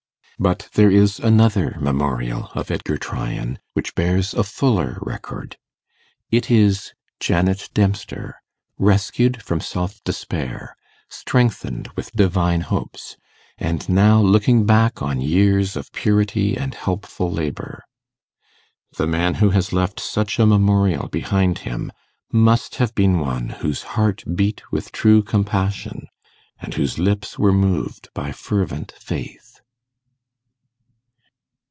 But there is another memorial of Edgar Tryan, which bears a fuller record: it is Janet Dempster, rescued from self despair, strengthened with divine hopes, and now looking back on years of purity and helpful labour. The man who has left such a memorial behind him, must have been one whose heart beat with true compassion, and whose lips were moved by fervent faith.